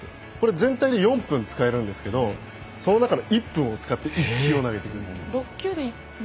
全体で４分使えるんですけど、その中の１分を使って１球を投げている。